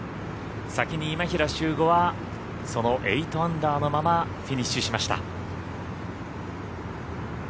先に今平周吾はその８アンダーのままフィニッシュしました。